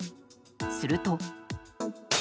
すると。